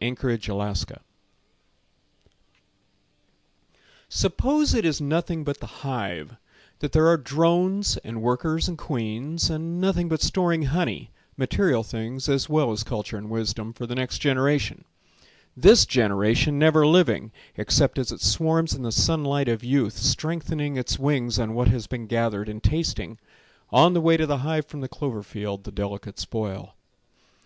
Davis Matlock Suppose it is nothing but the hive: That there are drones and workers And queens, and nothing but storing honey— (Material things as well as culture and wisdom)— For the next generation, this generation never living, Except as it swarms in the sun light of youth, Strengthening its wings on what has been gathered, And tasting, on the way to the hive From the clover field, the delicate spoil.